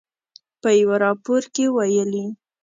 په یوه راپور کې ویلي